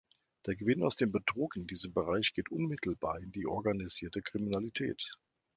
Der Gewinn aus dem Betrug in diesem Bereich geht unmittelbar in die organisierte Kriminalität.